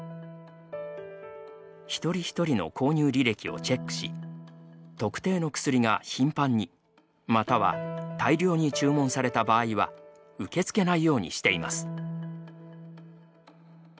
一人一人の購入履歴をチェックし特定の薬が頻繁にまたは大量に注文された場合は受け付けないようにしています。